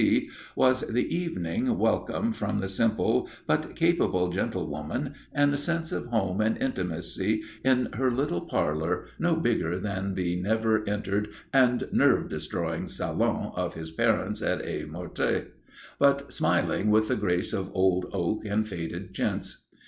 C., was the evening welcome from the simple but capable gentlewoman and the sense of home and intimacy in her little parlour no bigger than the never entered and nerve destroying salon of his parents at Aigues Mortes, but smiling with the grace of old oak and faded chintz.